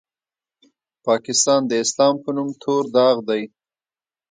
پاکستان د اسلام په نوم تور داغ دی.